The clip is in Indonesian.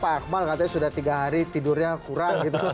pak akmal katanya sudah tiga hari tidurnya kurang gitu